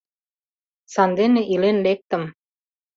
Сандене илен лектым.